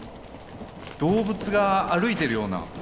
動物が歩いてるような。